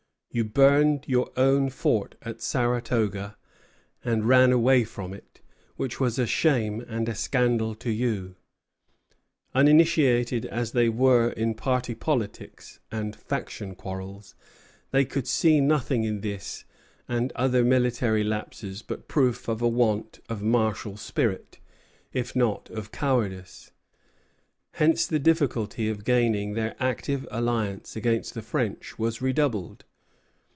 "You burned your own fort at Seraghtoga and ran away from it, which was a shame and a scandal to you." [Footnote: Report of a Council with the Indians at Albany, 28 June, 1754.] Uninitiated as they were in party politics and faction quarrels, they could see nothing in this and other military lapses but proof of a want of martial spirit, if not of cowardice. Hence the difficulty of gaining their active alliance against the French was redoubled.